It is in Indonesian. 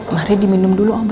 mari diminum dulu obatnya bu